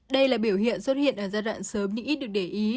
đây là biểu hiện xuất hiện ở giai đoạn sớm nhưng ít được để ý